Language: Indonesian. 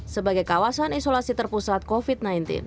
sebagai kawasan isolasi terpusat covid sembilan belas